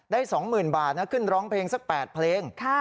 ๒๐๐๐บาทนะขึ้นร้องเพลงสัก๘เพลง